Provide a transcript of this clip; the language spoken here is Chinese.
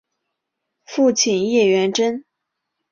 父亲叶原贞。